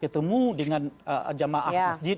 ketemu dengan jamaah masjid